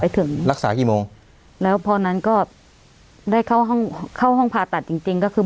ถึงรักษากี่โมงแล้วพอนั้นก็ได้เข้าห้องเข้าห้องผ่าตัดจริงจริงก็คือ